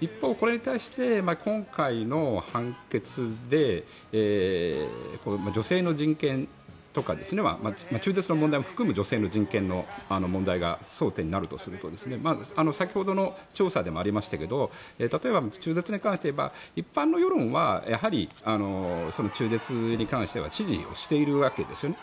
一方、これに対して今回の判決で女性の人権とか中絶の問題も含む女性の人権の問題が争点になるとすると先ほどの調査でもありましたが例えば、中絶に関して言えば一般世論は中絶に関しては支持をしているわけですよね。